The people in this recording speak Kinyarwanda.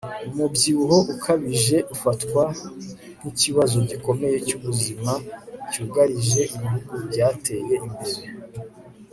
Umubyibuho ukabije ufatwa nkikibazo gikomeye cyubuzima cyugarije ibihugu byateye imbere